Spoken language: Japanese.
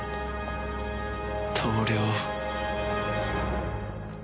投了。